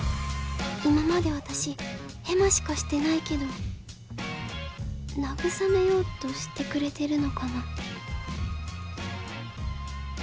今まで私ヘマしかしてないけど慰めようとしてくれてるのかな？